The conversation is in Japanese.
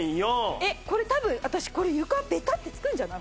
えっこれ多分私これ床ベタッてつくんじゃない？